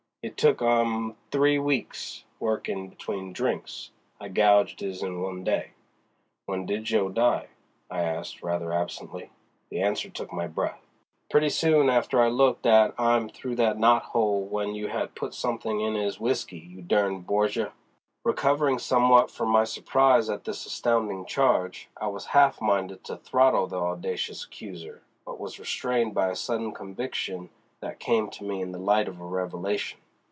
It took 'im three weeks, workin' between drinks. I gouged his in one day." "When did Jo. die?" I asked rather absently. The answer took my breath: "Pretty soon after I looked at him through that knot hole, w'en you had put something in his w'isky, you derned Borgia!" Recovering somewhat from my surprise at this astounding charge, I was half minded to throttle the audacious accuser, but was restrained by a sudden conviction that came to me in the light of a revelation.